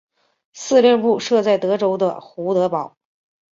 司令部设在德州的胡德堡。